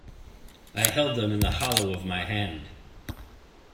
I held them in the hollow of my hand.